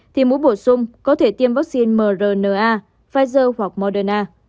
thì mũi bổ sung có thể tiêm vaccine mrna pfizer hoặc moderna